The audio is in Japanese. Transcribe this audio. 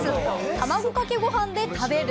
卵かけご飯で食べる？